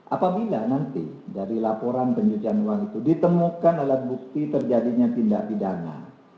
apabila nanti dari laporan pencucian uang itu ditemukan alat bukti terjadinya tindak pidana